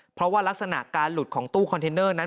เพราะว่ารักษณะการหลุดของตู้คอนเทนเนอร์นั้น